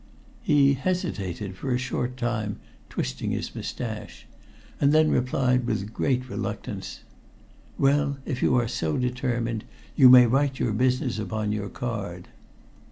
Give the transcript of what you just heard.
He hesitated for a short time, twisting his mustache, and then replied with great reluctance: "Well, if you are so determined, you may write your business upon your card."